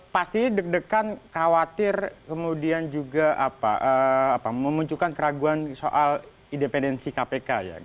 pastinya deg degan khawatir kemudian juga memunculkan keraguan soal independensi kpk ya